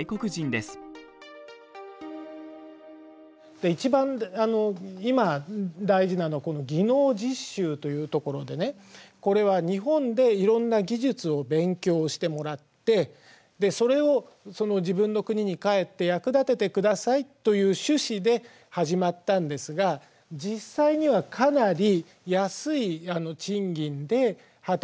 で一番今大事なのはこの技能実習というところでねこれは日本でいろんな技術を勉強してもらってそれを自分の国に帰って役立ててくださいという趣旨で始まったんですが実際にはかなり安い賃金で働いているんです。